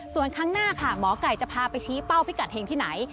ส่วนครั้งหน้าค่ะหมอไก่จะพาไปชี้เป้าพิกัดเห็งที่ไหน